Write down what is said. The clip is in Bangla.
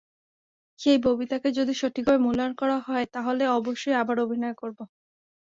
সেই ববিতাকে যদি সঠিকভাবে মূল্যায়ন করা হয়, তাহলে অবশ্যই আবার অভিনয় করব।